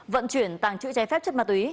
vận chuyển tàng trữ cháy phép chất ma túy